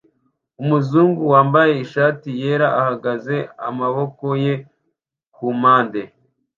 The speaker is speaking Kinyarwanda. Umuzungu wambaye ishati yera ahagaze amaboko ye kumpande